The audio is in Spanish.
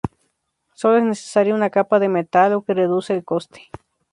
Solo es necesaria una capa de metal, lo que reduce el coste.